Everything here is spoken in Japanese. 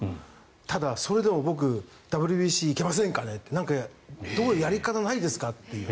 ただ、それでも僕ＷＢＣ行けませんかねってやり方ないですかっていう。